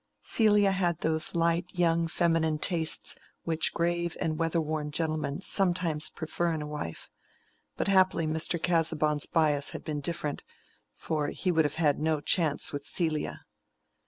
Celia had those light young feminine tastes which grave and weatherworn gentlemen sometimes prefer in a wife; but happily Mr. Casaubon's bias had been different, for he would have had no chance with Celia.